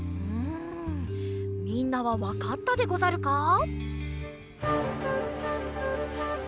うんみんなはわかったでござるか？